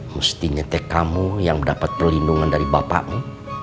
mestinya kamu yang mendapat perlindungan dari bapakmu